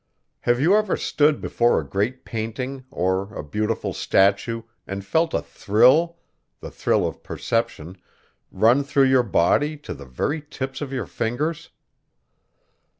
Have you ever stood before a great painting or a beautiful statue and felt a thrill the thrill of perception run through your body to the very tips of your fingers?